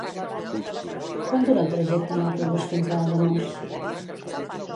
Quant dura el trajecte en autobús fins a Ademús?